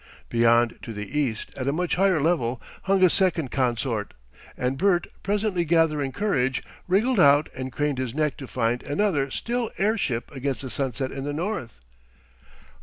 Beyond, to the east, at a much higher level, hung a second consort, and Bert, presently gathering courage, wriggled out and craned his neck to find another still airship against the sunset in the south.